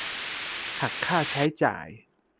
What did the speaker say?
หักค่าใช้จ่าย